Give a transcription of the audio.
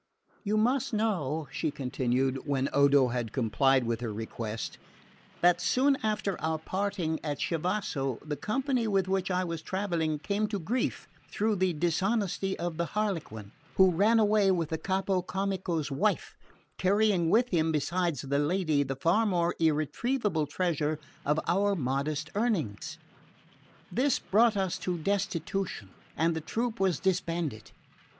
You must know, she continued, when Odo had complied with her request, that soon after our parting at Chivasso the company with which I was travelling came to grief through the dishonesty of the Harlequin, who ran away with the Capo Comico's wife, carrying with him, besides the lady, the far more irretrievable treasure of our modest earnings. This brought us to destitution, and the troop was disbanded.